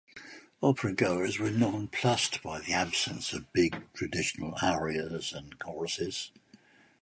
Operagoers were nonplussed by the absence of big traditional arias and choruses.